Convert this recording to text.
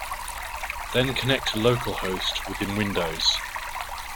Then connect to localhost within Windows.